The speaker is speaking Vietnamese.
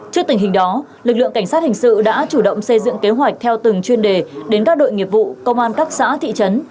trước tình hình đó lực lượng cảnh sát hình sự đã chủ động xây dựng kế hoạch theo từng chuyên đề đến các đội nghiệp vụ công an các xã thị trấn